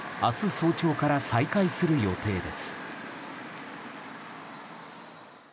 早朝から再開する予定です。